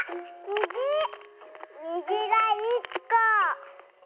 にじが１こ！